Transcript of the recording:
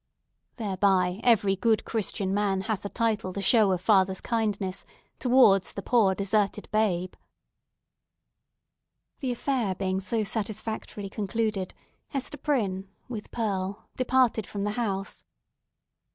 Thereby, every good Christian man hath a title to show a father's kindness towards the poor, deserted babe." The affair being so satisfactorily concluded, Hester Prynne, with Pearl, departed from the house.